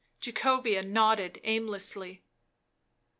Jacobea nodded aimlessly.